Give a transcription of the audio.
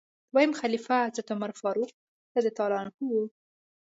دویم خلیفه حضرت عمر فاروق رض و.